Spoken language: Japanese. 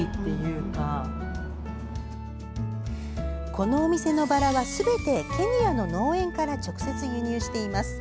このお店のバラはすべてケニアの農園から直接輸入しています。